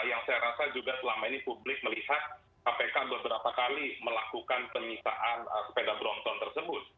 yang saya rasa juga selama ini publik melihat kpk beberapa kali melakukan penyitaan sepeda brompton tersebut